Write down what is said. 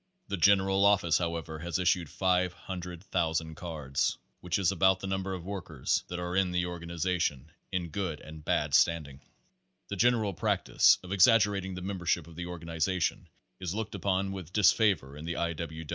The general office however has issued 500,000 cards, which is about the number of workers that are in the organization in good and bad standing. The general practice of exaggerating the member ship of the organization is looked upon* with disfavor in the I. W.